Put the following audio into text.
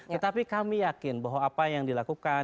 tetapi kami yakin bahwa apa yang dilakukan